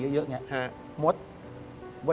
พี่หนุ่มพูดไปแล้ว